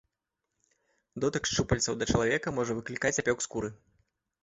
Дотык шчупальцаў да чалавека можа выклікаць апёк скуры.